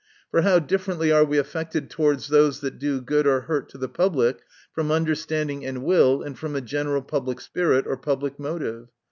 For how differently are we affected towards those that do good or hurt to the public from understanding and will, and from a general public spirit, or public motive.